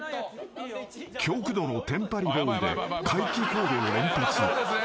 ［極度のテンパリボーイで怪奇行動を連発］